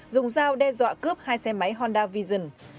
dùng dao đe dọa cướp hai xe máy honda vision